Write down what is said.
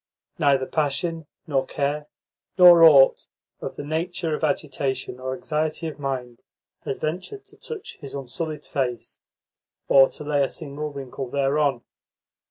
Neither passion nor care nor aught of the nature of agitation or anxiety of mind had ventured to touch his unsullied face, or to lay a single wrinkle thereon.